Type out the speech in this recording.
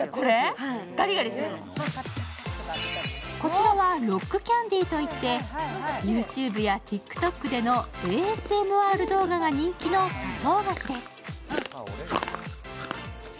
こちらはロックキャンディーといってＹｏｕＴｕｂｅやＴｉｋＴｏｋでのＡＳＭＲ動画が人気の砂糖菓子です。